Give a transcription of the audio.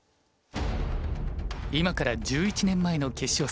今から１１年前の決勝戦。